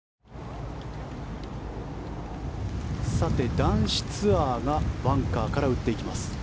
男子ツアーがバンカーから打っていきます。